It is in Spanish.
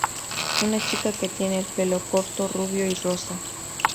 Una chica que tiene el pelo corto rubio y rosa.